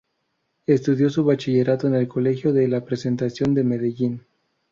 Estudió su bachillerato en el Colegio de La Presentación de Medellín.